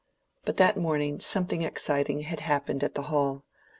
But that morning something exciting had happened at the Hall.